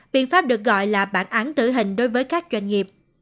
biện pháp được gọi là bản án tử hình đối với các doanh nghiệp